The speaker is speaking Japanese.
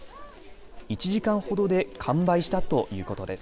１時間ほどで完売したということです。